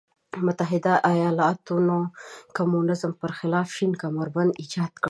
متحده ایالتونو د کمونیزم پر خلاف شین کمربند ایجاد کړ.